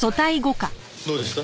どうでした？